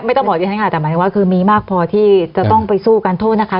ต้องบอกดิฉันค่ะแต่หมายถึงว่าคือมีมากพอที่จะต้องไปสู้การโทษนะคะ